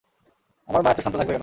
আমার মা এত শান্ত থাকবে কেন?